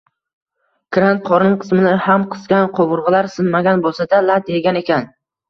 Kran qorin qismini ham qisgan, qovurgʻalari sinmagan boʻlsa-da, lat yegan ekan.